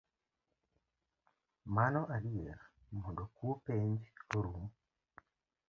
Mano adier, mondo kuo penj orum